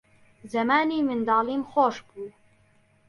زەمانی منداڵیم خۆش بوو